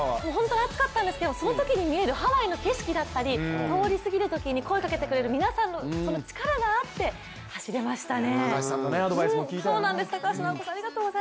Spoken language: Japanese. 暑かったんですけどそのときに見えるハワイの景色だったり通り過ぎるときに声をかけてくれる皆さんの力があって走れましたね。